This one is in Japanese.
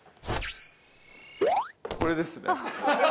これですね。